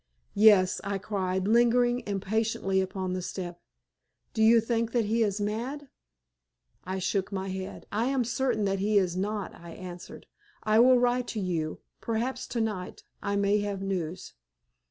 "Yes," I cried, lingering impatiently upon the step. "Do you think that he is mad?" I shook my head. "I am certain that he is not," I answered. "I will write to you; perhaps to night. I may have news."